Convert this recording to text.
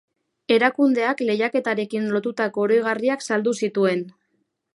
Erakundeak lehiaketarekin lotutako oroigarriak saldu zituen.